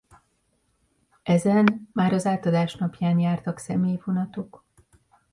Ezen már az átadás napján jártak személyvonatok.